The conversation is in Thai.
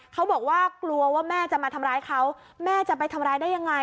เขาบอกว่ากลัวว่าแม่จะมาทำร้ายเขาแม่จะไปทำร้ายได้ยังไง